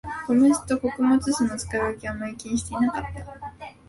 米酢と穀物酢の使い分けをあまり気にしてなかった